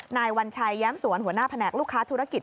นายวัญชัยแย้มสวนหัวหน้าแผนกลูกค้าธุรกิจ